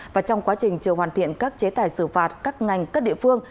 và trong quá trình chờ hoàn thiện các chế tài xử phạt các ngành các địa phương